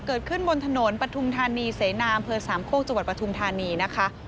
เกิดขึ้นบนถนนปทุมธานีเสนามเพิร์ช๓โค้งจปทุมธานีนะคะ